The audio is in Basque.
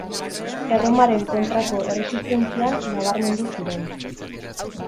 Erromaren kontrako erresistentzian nabarmendu ziren.